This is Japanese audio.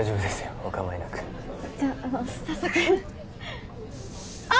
お構いなくじゃあの早速あっ！